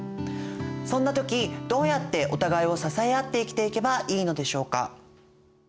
そんな時どうやってお互いを支え合って生きていけばいいのでしょうか。